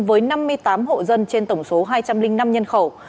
với năm mươi tám hộ dân trên tổng số hai trăm linh năm nhân khẩu